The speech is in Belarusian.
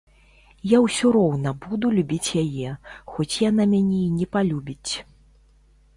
Я ўсё роўна буду любіць яе, хоць яна мяне і не палюбіць.